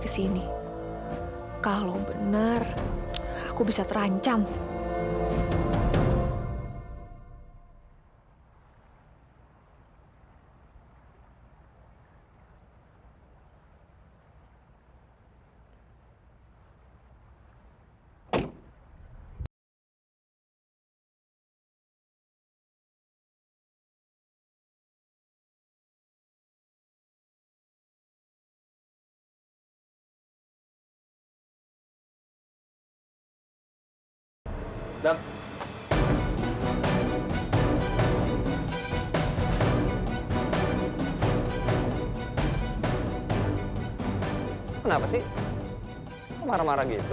kenapa marah marah gitu